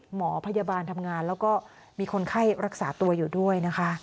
หมอพยาบาลทำงานแล้วก็มีคนไข้รักษาตัวอยู่ด้วยนะคะ